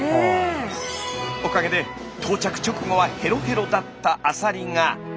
おかげで到着直後はヘロヘロだったアサリが。